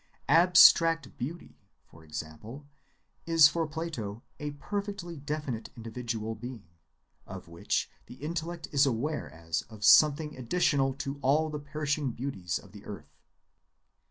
Abstract Beauty, for example, is for Plato a perfectly definite individual being, of which the intellect is aware as of something additional to all the perishing beauties of the earth.